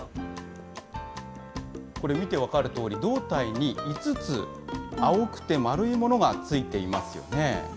これ、見て分かるとおり、胴体に５つ、青くて丸いものがついていますよね。